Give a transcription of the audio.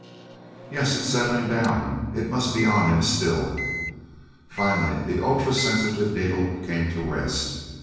"Yes, it is settling down. It must be on him still." Finally the ultra sensitive needle came to rest.